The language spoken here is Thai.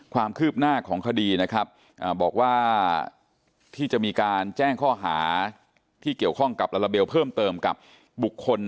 กับบุคคลนิติวิทยาศาสตร์เทลมันต้องเชื่อมันได้เมื่อไหร่